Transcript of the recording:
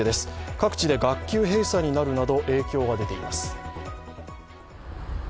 各地で学級閉鎖になるなど、影響が出ています。